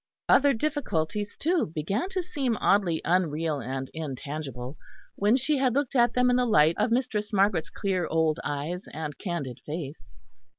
Other difficulties, too, began to seem oddly unreal and intangible, when she had looked at them in the light of Mistress Margaret's clear old eyes and candid face.